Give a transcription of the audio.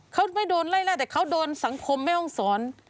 เขาไม่โดนไล่ล่าแต่เขาโดนสังคมแม่ห้องสอน